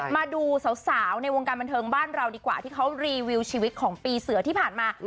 มาดูสาวในวงการบันเทิงบ้านเราดีกว่าที่เขารีวิวชีวิตของปีเสือที่ผ่านมา